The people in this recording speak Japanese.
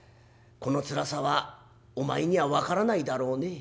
このつらさはお前には分からないだろうね。